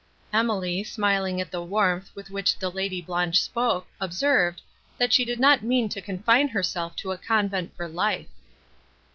Emily, smiling at the warmth, with which the Lady Blanche spoke, observed, that she did not mean to confine herself to a convent for life.